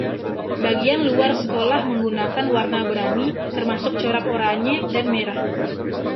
Bagian luar sekolah menggunakan warna berani, termasuk corak oranye dan merah.